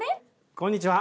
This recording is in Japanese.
こんにちは。